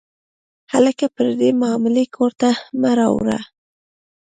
هلکه، پردۍ معاملې کور ته مه راوړه.